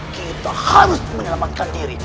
kita harus menyelamatkan diri